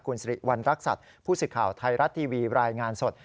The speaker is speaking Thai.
คุณสิริวัณรักษัตริย์ผู้สื่อข่าวไทยรัฐทีวีรายงานสด